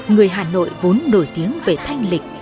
người hà nội vốn nổi tiếng về thanh lịch